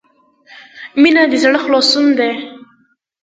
• مینه د زړۀ خلاصون دی.